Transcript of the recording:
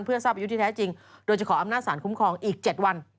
เพื่อทราบอายุที่แท้จริงโดยจะขออำนาจสารคุ้มครองอีก๗วัน